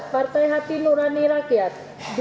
tiga belas partai hati nurani rakyat